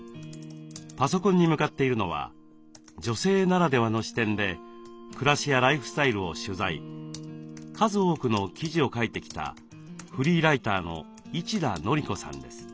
パソコンに向かっているのは女性ならではの視点で暮らしやライフスタイルを取材数多くの記事を書いてきたフリーライターの一田憲子さんです。